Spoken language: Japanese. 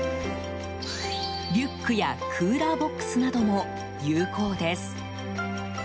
リュックやクーラーボックスなども有効です。